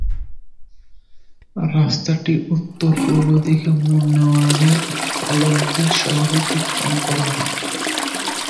রাস্তাটি উত্তর-পূর্ব দিকে মোড় নেওয়ার আগে পালোমিনাস শহর অতিক্রম করে।